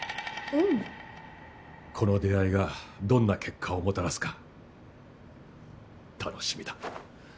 この出会いがどんな結果をもたらすか楽しみだ。